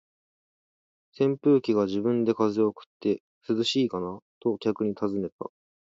扇風機が自分で風を送って、「涼しいかな？」と客に尋ねた。